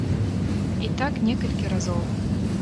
І так некалькі разоў.